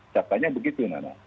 catanya begitu nana